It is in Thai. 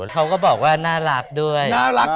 เขาก็บอกว่าน่ารักด้วย